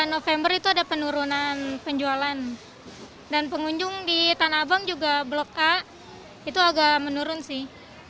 november itu ada penurunan penjualan dan pengunjung di tanah abang juga blok a itu agak menurun sih